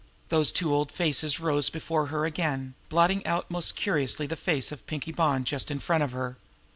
Those two old faces rose before her again now blotting out most curiously the face of Pinkie Bonn just in front of her.